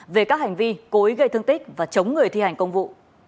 về các hành vi cố ý gây thương tích và chống người thi hành công vụ